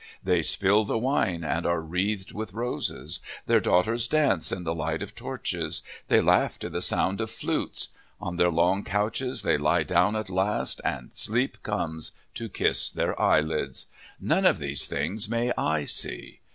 They spill the wine and are wreathed with roses. Their daughters dance in the light of torches. They laugh to the sound of flutes. On their long couches they lie down at last, and sleep comes to kiss their eyelids. None of these things may I see.